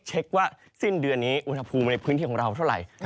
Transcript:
เช็คว่าสิ้นเดือนละภูมิในพื้นที่ของเราเท่าวันไหร่